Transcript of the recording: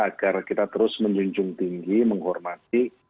agar kita terus menjunjung tinggi menghormati